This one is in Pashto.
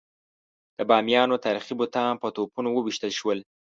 د بامیانو تاریخي بوتان په توپونو وویشتل شول.